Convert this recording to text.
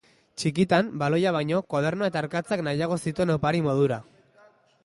Txikitan, baloia baino, koadernoa eta arkatzak nahiago zituen opari modura.